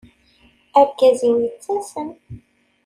Argaz-iw yettasem.